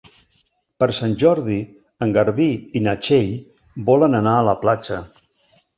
Per Sant Jordi en Garbí i na Txell volen anar a la platja.